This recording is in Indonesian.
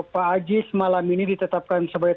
pak ajis malam ini ditetapkan sebagai